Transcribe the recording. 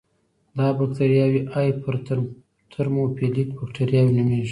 دا بکټریاوې هایپر ترموفیلیک بکټریاوې نومېږي.